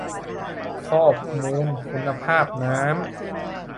ข้อมูลคุณภาพน้ำ